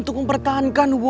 kak ini udah ada buktinya loh